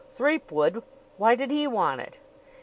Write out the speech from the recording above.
"Threepwood? Why did he want it?"